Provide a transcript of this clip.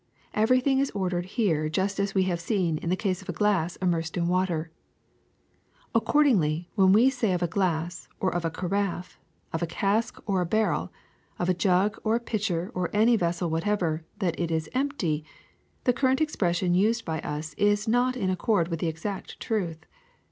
Everything is ordered here just as we have seen in the case of a glass immersed in water. ^^Accordingly, when we say of a glass or of a carafe, of a cask or a barrel, of a jug or a pitcher or any vessel whatever, that it is empty, the current expression used by us is not in accord with the exact truth.